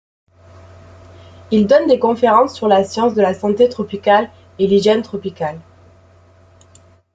Il donne des conférences sur la science de la santé tropicale et l'hygiène tropicale.